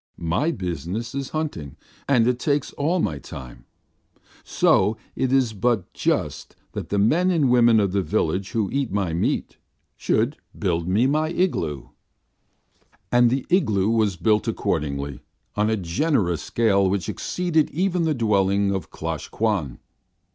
My business is hunting, and it takes all my time. So it is but just that the men and women of the village who eat my meat should build me my igloo." And the igloo was built accordingly, on a generous scale which exceeded even the dwelling of Klosh Kwan.